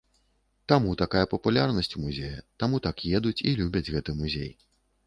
Таму такая папулярнасць у музея, таму так едуць і любяць гэты музей.